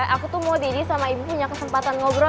aku tuh mau didi sama ibu punya kesempatan ngobrol